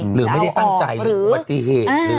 หรือไม่ได้ตั้งใจหรือปฏิเหตุ